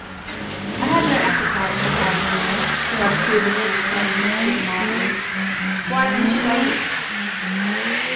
"I have no appetite," replied Maria, who had previously determined to speak mildly; "why then should I eat?"